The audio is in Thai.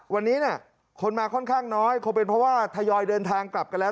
วันนี้คนมาค่อนข้างน้อยคงเป็นเพราะว่าทยอยเดินทางกลับกันแล้ว